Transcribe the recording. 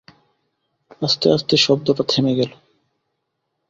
আস্তে আস্তে শব্দটা থেমে গেল।